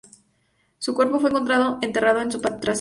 Su cuerpo fue encontrado enterrado en su patio trasero.